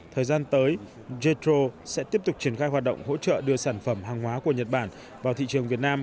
thời gian tới jetro sẽ tiếp tục triển khai hoạt động hỗ trợ đưa sản phẩm hàng hóa của nhật bản vào thị trường việt nam